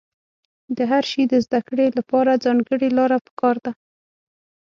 د هر شي د زده کړې له پاره ځانګړې لاره په کار ده.